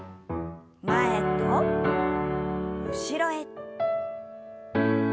前と後ろへ。